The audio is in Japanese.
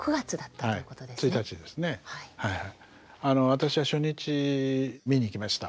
私は初日見に行きました。